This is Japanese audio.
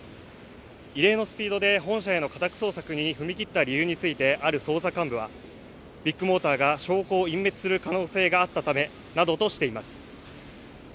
異例のスピードで本社への家宅捜索に踏み切った理由についてある捜査幹部はビッグモーターが証拠隠滅する可能性があったためなどとしています